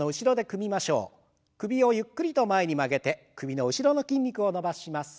首をゆっくりと前に曲げて首の後ろの筋肉を伸ばします。